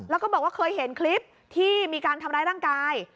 แล้วก็บอกว่าเคยเห็นคลิปที่มีการทำร้ายร่างกาย